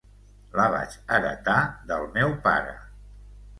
La vaig heretar del meu pare.